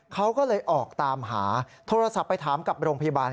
เขาก็เลยออกตามหาโทรศัพท์ไปถามกับโรงพยาบาล